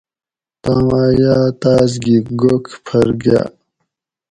تام اۤ یاۤ تاۤس گی گوکھ پھر گاۤ